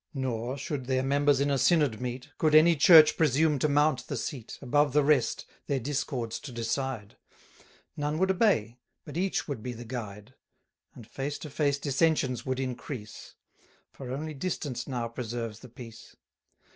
Nor, should their members in a Synod meet, Could any Church presume to mount the seat, Above the rest, their discords to decide; None would obey, but each would be the guide: And face to face dissensions would increase; For only distance now preserves the peace.